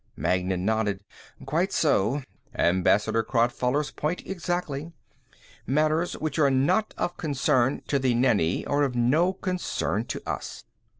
Magnan nodded. "Quite so. Ambassador Crodfoller's point exactly. Matters which are not of concern to the Nenni are of no concern to us."